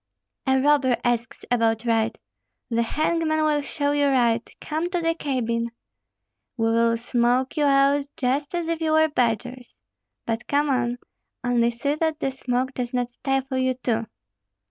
"A robber asks about right! The hangman will show you right! Come to the cabin." "We will smoke you out just as if you were badgers." "But come on; only see that the smoke does not stifle you too."